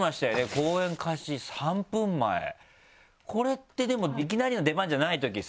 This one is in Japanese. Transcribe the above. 公演開始３分前これってでもいきなりの出番じゃないときですか？